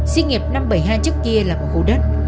xí nghiệp năm trăm bảy mươi hai trước kia là một khu đất